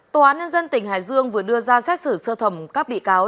tòa án nhân dân tỉnh hải dương vừa đưa ra xét xử sơ thẩm các bị cáo